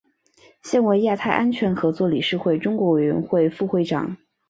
现为亚太安全合作理事会中国委员会副会长。